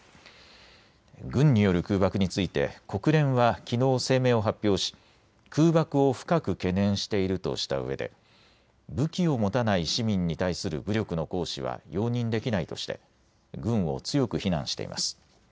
軍による空爆について国連はきのう声明を発表し空爆を深く懸念しているとしたうえで武器を持たない市民に対する武力の行使は容認できないとして軍を強く非難しています。